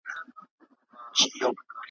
کامران هله چي خادم دخپل رحمان یې